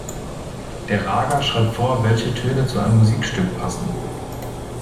Der Raga schreibt vor, welche Töne zu einem Musikstück passen.